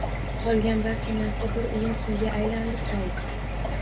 Qolgan barcha narsa bir uyum kulga aylandi-qoldi